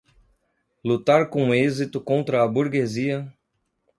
lutar com êxito contra a burguesia